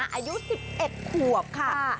อายุ๑๑ขวบค่ะ